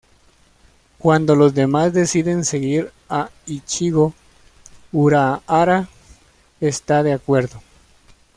Cuando los demás deciden seguir a Ichigo, Urahara está de acuerdo.